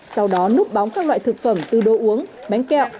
sau đó núp bóng các loại thực phẩm từ đồ uống bánh kẹo